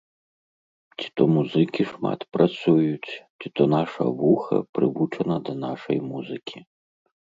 Ці то музыкі шмат працуюць, ці то наша вуха прывучана да нашай музыкі.